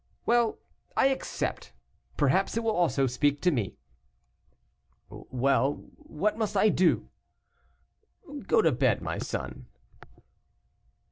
"Well, I accept. Perhaps it will also speak to me." "Well, what must I do?" "Go to bed, my son."